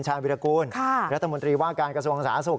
ชาวิรกูลรัฐมนตรีว่าการกระทรวงสาสก